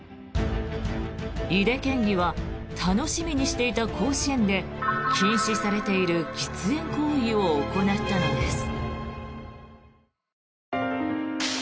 井手県議は楽しみにしていた甲子園で禁止されている喫煙行為を行ったのです。